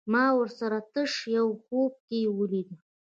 ما ورسره تش يو خوب کې وليدل